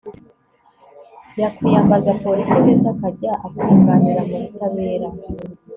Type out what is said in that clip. yakwiyambaza polisi, ndetse akajya akunganira mu butabera